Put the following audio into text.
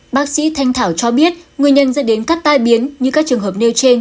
bác sĩ thanh thảo cho biết nguyên nhân dẫn đến các tai biến như các trường hợp nêu trên